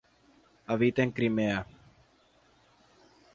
Habita en Crimea.